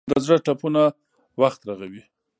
د زړه ټپونه وخت رغوي.